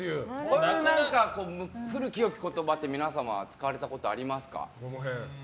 この古き良き言葉って皆さん、使われたことありますか。